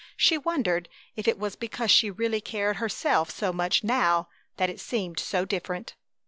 She wondered if it was because she really cared herself so much now that it seemed so different.